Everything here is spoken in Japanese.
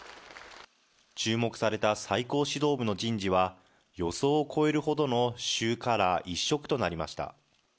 注目された最高指導部の人事は、予想を超えるほどの習カラー一色となりました。